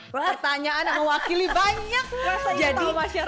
pertanyaan yang mewakili banyak